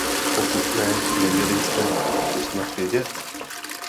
Pokud ne, neměli jste to snad vědět?